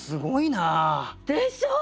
でしょう？